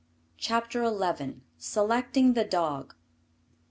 ] CHAPTER XI. SELECTING THE DOG.